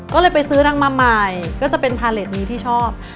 ก็เลยไปซื้อนางมาใหม่ก็จะเป็นพาเลสนี้ที่ชอบ